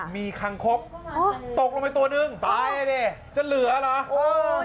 มีคังคกตกลงไปตัวหนึ่งตายอ่ะดิจะเหลือเหรอ